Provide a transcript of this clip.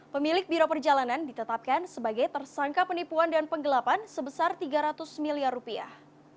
pemilik biro perjalanan ditetapkan sebagai tersangka penipuan dan penggelapan sebesar tiga ratus miliar rupiah